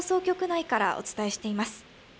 前からお伝えしています。